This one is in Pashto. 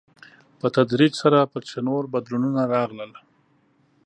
په تدريج سره په کې نور بدلونونه راغلل.